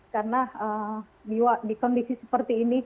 karena di kondisi seperti ini